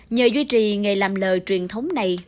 nhờ duy trì nghề làm lờ truyền thống này